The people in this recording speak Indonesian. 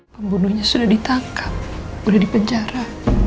pembunuhnya sudah ditangkap sudah dipenjara